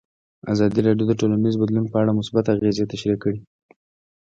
ازادي راډیو د ټولنیز بدلون په اړه مثبت اغېزې تشریح کړي.